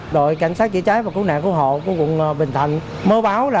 đội cảnh sát chỉ trái và cứu nạn cứu hộ của quận bình thạnh mới báo là